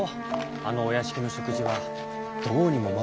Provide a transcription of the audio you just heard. あのお屋敷の食事はどうにもまずくてさ。